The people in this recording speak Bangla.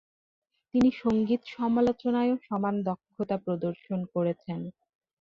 তিনি সঙ্গীত সমালোচনায়ও সমান দক্ষতা প্রদর্শন করেছেন।